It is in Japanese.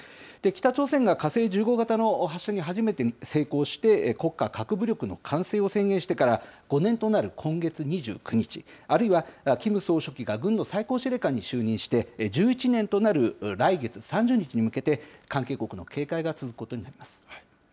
北朝鮮が火星１５型の発射に初めて成功して、国家核武力の完成を宣言してから５年となる今月２９日、あるいはキム総書記が軍の最高司令官に就任して１１年となる来月３０日に向けて、関係国の警戒が続くことになります。